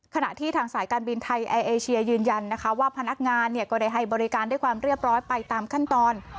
ขณะที่ทางสายการบินไทยแอร์เอเชียยืนยันนะคะว่าพนักงานก็ได้ให้บริการด้วยความเรียบร้อยไปตามขั้นตอน